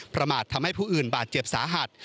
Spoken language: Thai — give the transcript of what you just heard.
ประมาททำให้ผู้อื่นบาดเจ็บสาหัส